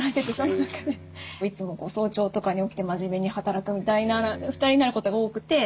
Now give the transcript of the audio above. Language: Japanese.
いつも早朝とかに起きて真面目に働くみたいな２人になることが多くて。